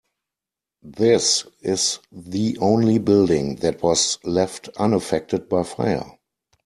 This is the only building that was left unaffected by fire.